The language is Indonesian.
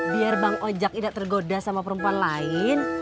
biar bang ojak tidak tergoda sama perempuan lain